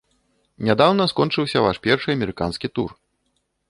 Нядаўна скончыўся ваш першы амерыканскі тур.